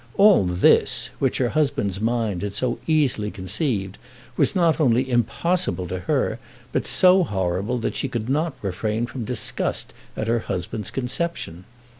All this, which her husband's mind had so easily conceived, was not only impossible to her, but so horrible that she could not refrain from disgust at her husband's conception.